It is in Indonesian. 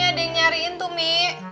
umi ada yang nyariin tuh mi